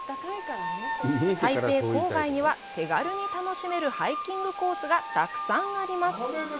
台北郊外には、手軽に楽しめるハイキングコースがたくさんあります。